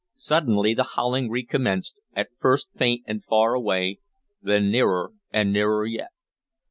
Suddenly the howling recommenced, at first faint and far away, then nearer and nearer yet.